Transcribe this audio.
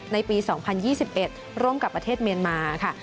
ในปี๒๐๒๑ร่วมกับประเทศเมียนมาค่ะ